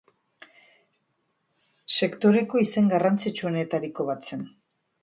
Sektoreko izen garrantzitsuenetariko bat zen.